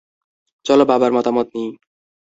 চলো বাবার মতামত নিই।